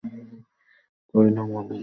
কহিল, মহিনদা, সত্য বলিতেছ?